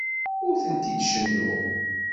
Ur tent-id-cennuɣ.